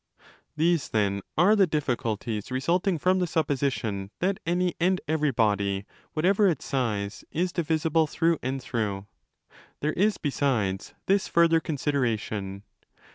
2 These, then, are the difficulties resulting from the supposition that any and every body, whatever its size, is divisible through and through. There is, besides, this further consideration.